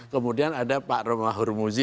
kemudian ada pak romah hurmuzi